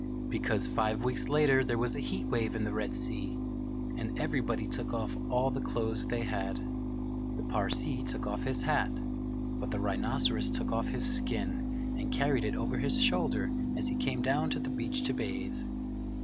Because, five weeks later, there was a heat wave in the Red Sea, and everybody took off all the clothes they had. The Parsee took off his hat; but the Rhinoceros took off his skin and carried it over his shoulder as he came down to the beach to bathe.